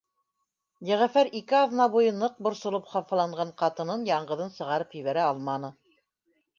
Йәғәфәр ике аҙна буйы ныҡ борсолоп хафаланған ҡатынын яңғыҙын сығарып ебәрә алманы.